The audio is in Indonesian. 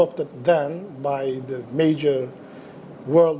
oleh kekuatan dunia yang besar